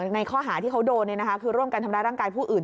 ในข้อหาที่เขาโดนคือร่วมกันทำร้ายร่างกายผู้อื่น